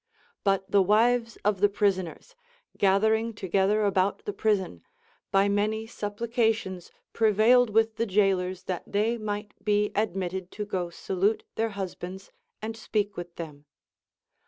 But the wives of the prisoners, gathering together about the prison, by many 350 CONCERNING THE VIRTUES OF WOMEii. supplications prevailed Avith the jailers that they might be admitted to go to salute their husbands and speak with them.